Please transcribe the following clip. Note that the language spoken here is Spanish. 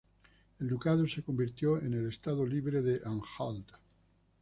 El ducado se convirtió en el Estado Libre de Anhalt.